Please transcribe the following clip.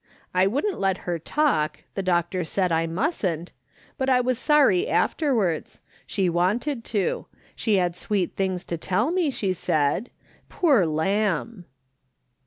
I wouldn't let her talk, the doctor said I mustn't ; but I was sorry afterwards ; she wanted to ; she had sweet things to tell me, she said ; poor lamb